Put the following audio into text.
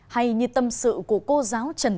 hay như tâm sự của cô giáo trần thịnh